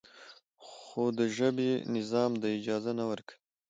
خو د ژبې نظام دا اجازه نه راکوي.